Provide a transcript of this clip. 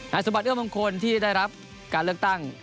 สมบัติเอื้อมงคลที่ได้รับการเลือกตั้ง